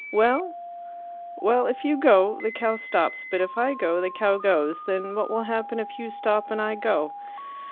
"Well?" "Well, if you go, the cow stops; but if I go, the cow goes. Then what will happen if you stop and I go?"